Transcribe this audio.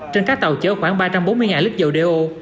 trên các tàu chở khoảng ba trăm bốn mươi lít dầu đeo